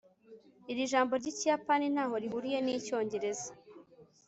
Iri jambo ryikiyapani ntaho rihuriye nicyongereza